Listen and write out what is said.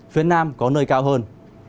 phía nam có nơi cao hơn